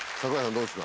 どうですか？